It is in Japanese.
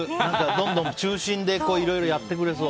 どんどん中心でいろいろやってくれそう。